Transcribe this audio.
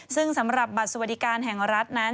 ซึ่งสำหรับบัตรสวัสดิการแห่งรัฐนั้น